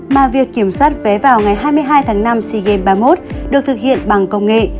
mà việc kiểm soát vé vào ngày hai mươi hai tháng năm sea games ba mươi một được thực hiện bằng công nghệ